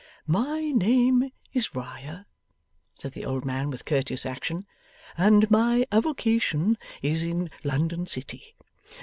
'My name is Riah,' said the old man, with courteous action, 'and my avocation is in London city.